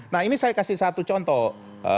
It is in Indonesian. nah ini saya kasih satu contoh